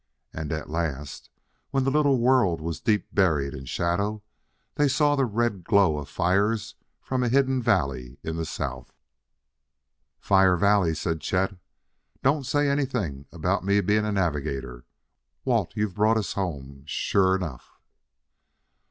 And, at last, when the little world was deep buried in shadow, they saw the red glow of fires from a hidden valley in the south. "Fire Valley!" said Chet, "Don't say anything about me being a navigator. Wait, you've brought us home, sure enough."